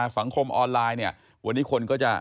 สังคมออนไลน์เนี่ยวันนี้คนก็จะ